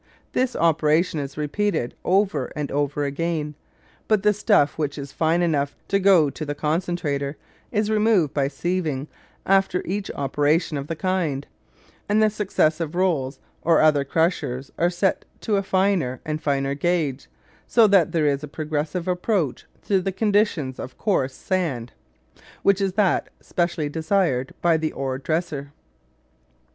This operation is repeated over and over again; but the stuff which is fine enough to go to the concentrator is removed by sieving after each operation of the kind; and the successive rolls or other crushers are set to a finer and finer gauge, so that there is a progressive approach to the conditions of coarse sand, which is that specially desired by the ore dresser.